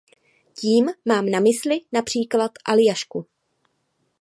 Tím mám na mysli například Aljašku.